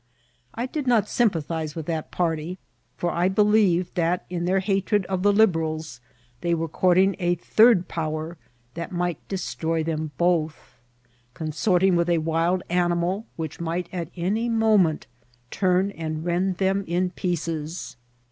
I did not sympathize with that party, for I believed that in their hatred of the Liberals they were courting a third power that might destroy them both ; consorting with a wild animal which might at any moment turn and rend them in pieces.